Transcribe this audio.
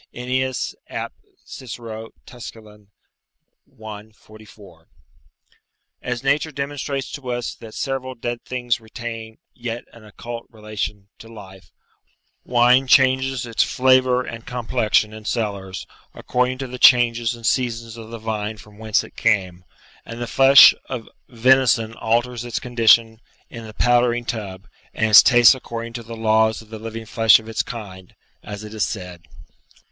Ennius, ap. Cicero, Tusc. i. 44.] As nature demonstrates to us that several dead things retain yet an occult relation to life; wine changes its flavour and complexion in cellars, according to the changes and seasons of the vine from whence it came; and the flesh of venison alters its condition in the powdering tub, and its taste according to the laws of the living flesh of its kind, as it is said.